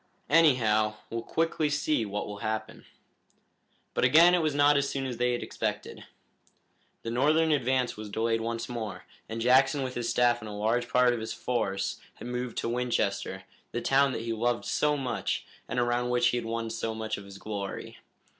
Anyhow, we'll quickly see what will happen." But again it was not as soon as they had had expected. The Northern advance was delayed once more, and Jackson with his staff and a large part of his force moved to Winchester, the town that he loved so much, and around which he had won so much of his glory.